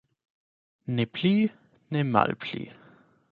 Ne pli, ne malpli.